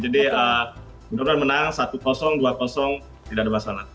jadi bener bener menang satu dua tidak ada masalah